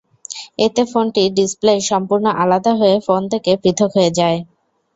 এতে ফোনটি ডিসপ্লে সম্পূর্ণ আলাদা হয়ে ফোন থেকে পৃথক হয়ে যায়।